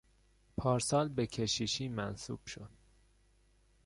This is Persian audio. پارسال به کشیشی منصوب شد.